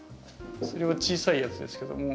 それは小さいやつですけども。